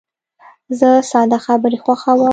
زه ساده خبرې خوښوم.